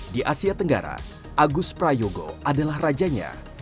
di asia tenggara agus prayogo adalah rajanya